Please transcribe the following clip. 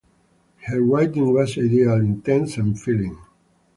Her writing was ideal, intense in feeling.